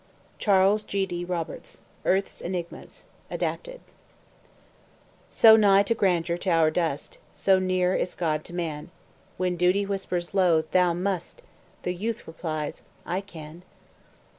CHARLES G. D. ROBERTS: "Earth's Enigmas." (Adapted) So nigh is grandeur to our dust, So near is God to man, When Duty whispers low, "Thou must," The youth replies, "I can."